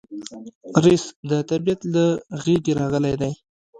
رس د طبیعت له غېږې راغلی دی